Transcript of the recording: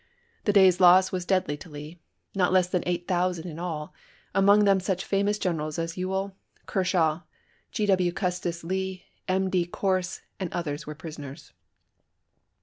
The day's loss was deadly to Lee, not less than eight thousand in all ; among them such famous generals as Ewell, Ker shaw, G . W. Custis Lee, M. D. Corse, and others were prisoners.